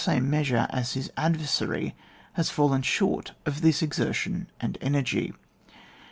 same measure as his adyersary has fallen short of this exertion and energy.